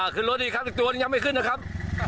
ขึ้นรถดีครับตัวนี้ยังไม่ขึ้นนะครับ